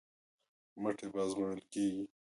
مټې به ازمویل کېږي.